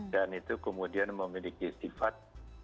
dan itu kemudian memiliki sifat